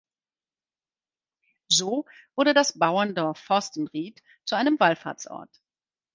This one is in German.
So wurde das Bauerndorf Forstenried zu einem Wallfahrtsort.